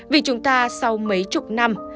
vì chúng ta sau mấy chục năm